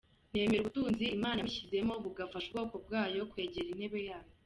Nemera ubutunzi Imana yamushyizemo mu gufasha ubwoko bwayo kwegera intebe yayo.